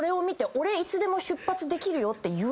「俺いつでも出発できるよ」